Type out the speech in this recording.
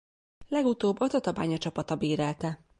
Legutóbb a Tatabánya csapata bérelte.